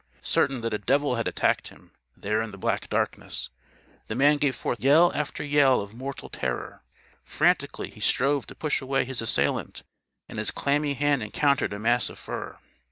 Certain that a devil had attacked him there in the black darkness, the man gave forth yell after yell of mortal terror. Frantically, he strove to push away his assailant and his clammy hand encountered a mass of fur.